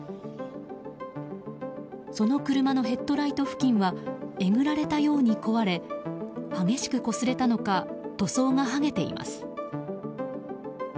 その車のヘッドライト付近はえぐられたように壊れ激しくこすれたのか塗装が剥げています。